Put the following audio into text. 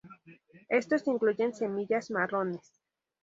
Estos incluyen semillas marrones.